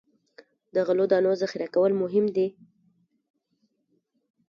د غلو دانو ذخیره کول مهم دي.